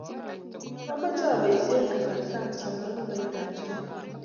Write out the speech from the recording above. amache abaishe kasarta asoman lukait ab chumbek